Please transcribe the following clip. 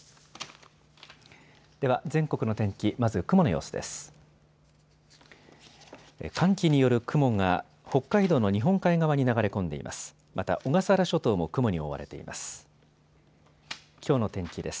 では全国の天気、まず雲の様子です。